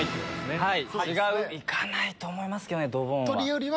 行かないと思いますけどねドボンは。